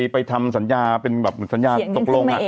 ไปทำสัญญาเป็นแบบสัญญาตกลง